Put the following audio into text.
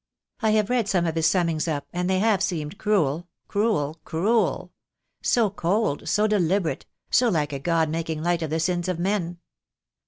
I have read some of his summings up, and they have seemed cruel, cruel, cruel — so cold, so deliberate, so like a god making light of the sins of men.